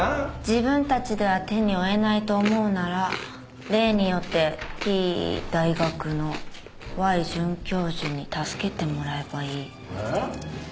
「自分たちでは手に負えないと思うなら例によってＴ大学のＹ准教授に助けてもらえばいい」えっ？